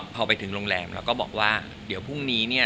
พอไปถึงโรงแรมเราก็บอกว่าเดี๋ยวพรุ่งนี้เนี่ย